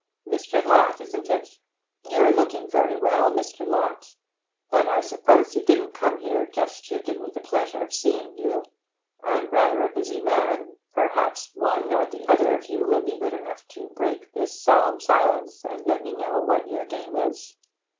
'Mr. Lott, isn't it! You're looking well, Mr. Lott; but I suppose you didn't come here just to give me the pleasure of seeing you. I'm rather a busy man; perhaps one or the other of you will be good enough to break this solemn silence, and let me know what your game is.'